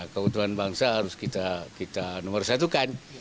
keutuhan bangsa harus kita nomor satukan